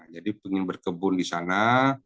jadi ingin berkebun di sana